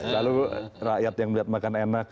lalu rakyat yang melihat makan enak